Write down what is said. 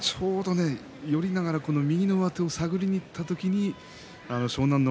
寄りながら右の上手を探りにいった時湘南乃